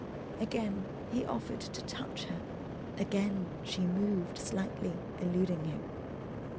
Again he offered to touch her, again she moved slightly, eluding him.